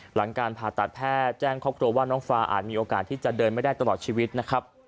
หลังการผ่าตัดแพทย์แจ้งครอบครัวว่าน้องฟ้าอาจมีโอกาสที่จะเดินไม่ได้ตลอดชีวิตนะครับ